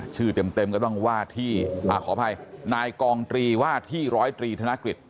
เต็มก็ต้องว่าที่ขออภัยนายกองตรีว่าที่ร้อยตรีธนกฤษ